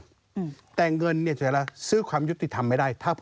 จะเรียกว่าทวงหรือเปล่าไม่ชาตินะ